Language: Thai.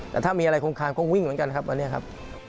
แต่ถ้ามีอะไรคงคานก็วิ่งเหมือนกันครับวันนี้ครับ